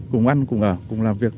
cùng ăn cùng ở cùng làm việc